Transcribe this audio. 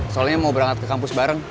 soalnya mau berangkat ke kampus bareng